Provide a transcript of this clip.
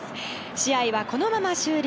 試合は、このまま終了。